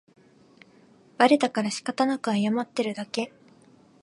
バレたからしかたなく謝ってるだけ